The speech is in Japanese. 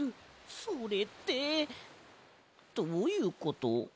それってどういうこと？